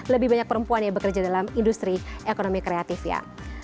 lebih banyak perempuan yang bekerja dalam industri ekonomi kreatif ya